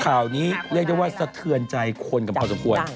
ข่าวนี้เรียกได้ว่าสะเทือนใจคนกันพอสมควร